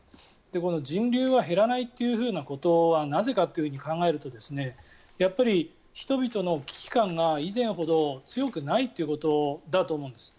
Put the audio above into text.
人流が減らないということがなぜかと考えるとやっぱり人々の危機感が以前ほど強くないということだと思うんです。